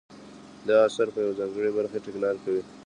دا اثر په یوې ځانګړې برخې ټینګار کوي.